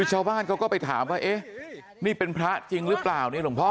ชาวบ้านก็ไปถามว่านี่เป็นพระจริงรึเปล่า